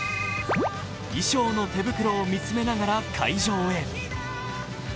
衣装の手袋を見つめながら会場へ。